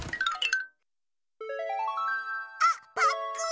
あっパックン！